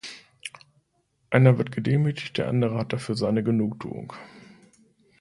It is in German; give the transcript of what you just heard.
Einer wird gedemütigt, der andere hat dafür seine Genugtuung.